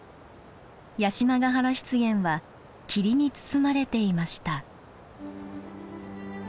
八島ヶ原湿原は霧に包まれていました。